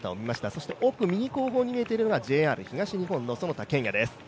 そして奥、右後方に見えているのがＪＲの其田健也です。